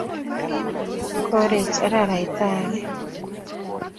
Korech araraita age